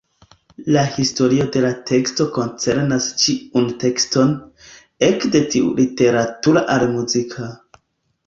La historio de la teksto koncernas ĉiun tekston, ekde tiu literatura al muzika.